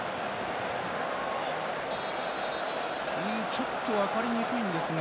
ちょっと分かりにくいんですが。